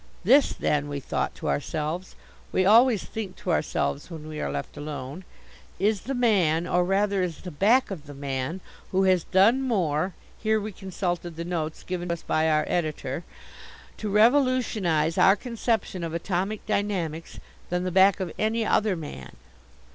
"This, then," we thought to ourselves (we always think to ourselves when we are left alone), "is the man, or rather is the back of the man, who has done more" (here we consulted the notes given us by our editor), "to revolutionize our conception of atomic dynamics than the back of any other man."